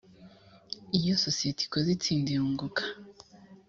iyo sosiyete ikoze itsinda irunguka